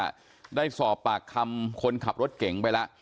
เพียงว่าได้สอบปากคำคนขับรถเก๋งไปละ